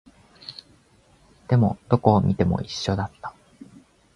でも、どこを見ても一緒だった